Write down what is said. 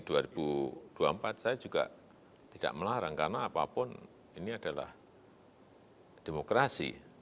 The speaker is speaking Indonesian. saya juga tidak melarang karena apapun ini adalah demokrasi